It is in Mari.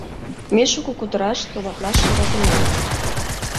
Ме шуко кутыраш, товатлаш йӧратена.